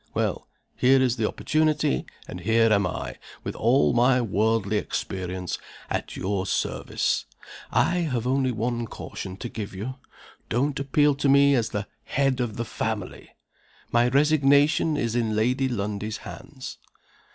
Well, here is the opportunity; and here am I, with all my worldly experience, at your service. I have only one caution to give you. Don't appeal to me as 'the head of the family.' My resignation is in Lady Lundie's hands."